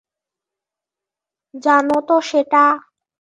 জানো তো সেটা?